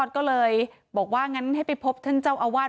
ก็เลยบอกว่างั้นให้ไปพบท่านเจ้าอาวาส